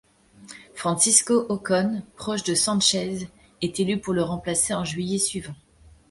Francisco Ocón, proche de Sánchez, est élu pour le remplacer en juillet suivant.